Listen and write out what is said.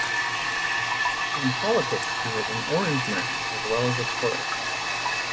In politics he was an Orangeman as well as a Tory.